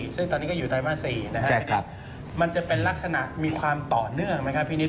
ซึ่งตอนนี้ก็อยู่ไตรมาส๔นะครับมันจะเป็นลักษณะมีความต่อเนื่องนะครับพี่นิด